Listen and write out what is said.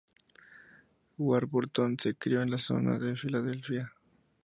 Warburton se crió en la zona de Filadelfia.